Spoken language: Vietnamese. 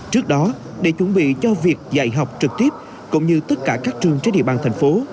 trước đó để chuẩn bị cho việc dạy học trực tiếp cũng như tất cả các trường trên địa bàn thành phố